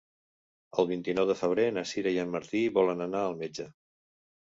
El vint-i-nou de febrer na Sira i en Martí volen anar al metge.